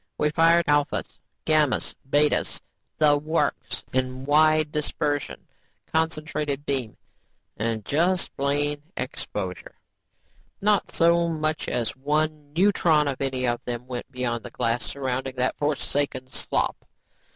We fired alphas, gammas, betas, the works, in wide dispersion, concentrated beam and just plain exposure. "Not so much as one neutron of any of them went beyond the glass surrounding that forsaken slop.